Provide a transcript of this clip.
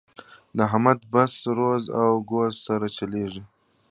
د احمد بس روز او ګوز سره چلېږي.